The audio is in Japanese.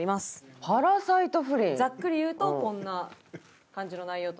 ざっくり言うとこんな感じの内容となってます。